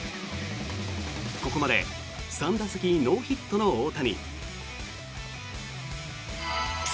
ここまで３打席ノーヒットの大谷。